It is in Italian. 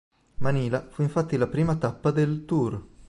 Manila fu infatti la prima tappa del "tour".